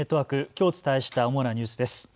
きょうお伝えした主なニュースです。